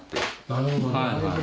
なるほど。